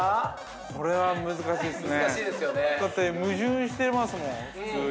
◆これは難しいですね。